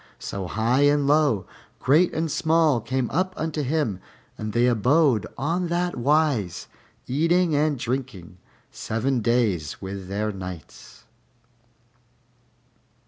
So high and low, great and small, came up unto him, and they abode on that wise, eating and drinking, seven days with their nights.